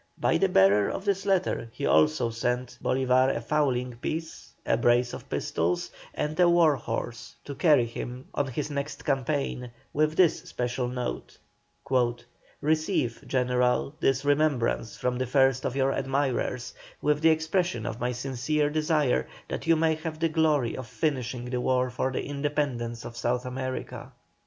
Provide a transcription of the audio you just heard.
By the bearer of this letter he also sent Bolívar a fowling piece, a brace of pistols, and a war horse to carry him on his next campaign, with this special note: "Receive, General, this remembrance from the first of your admirers, with the expression of my sincere desire that you may have the glory of finishing the war for the independence of South America."